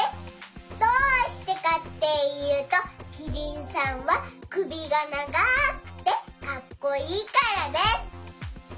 どうしてかっていうとキリンさんはくびがながくてかっこいいからです。